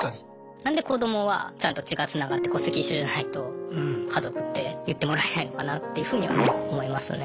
何で子どもはちゃんと血がつながって戸籍一緒じゃないと家族って言ってもらえないのかなっていうふうには思いますね。